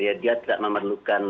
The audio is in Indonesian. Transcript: ya dia tidak memerlukan